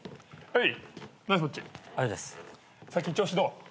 はい。